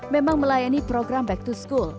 memang melayani program back to school